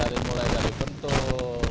dari mulai dari bentuk